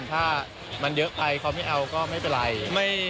ถ้ามันเยอะไปเขาไม่เอาก็ไม่เป็นไร